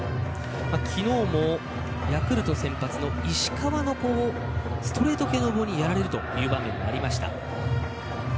きのうもヤクルト先発の石川のストレート系のボールにやられるという場面がありました。